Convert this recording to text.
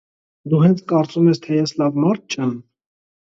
դու հենց կարծում ես, թե ես լավ մարդ չե՞մ…